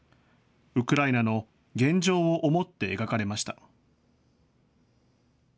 ウクライナの現状を思って描かれました。